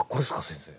先生。